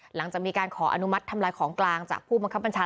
หลังจากมีการขออนุมัติทำลายของกลางจากผู้บังคับบัญชา